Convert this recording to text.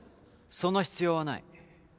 その必要はない。